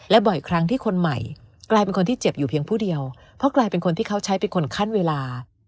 บ่อยครั้งที่คนใหม่กลายเป็นคนที่เจ็บอยู่เพียงผู้เดียวเพราะกลายเป็นคนที่เขาใช้เป็นคนขั้นเวลา